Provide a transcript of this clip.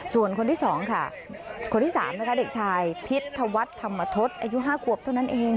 ส่วนคนที่๒ค่ะคนที่๓นะคะเด็กชายพิษธวัฒน์ธรรมทศอายุ๕ขวบเท่านั้นเอง